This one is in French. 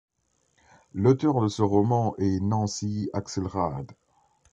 L'auteur de ce roman est Nancy Axelrad.